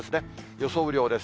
予想雨量です。